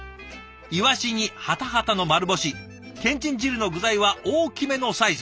イワシにハタハタの丸干しけんちん汁の具材は大きめのサイズ。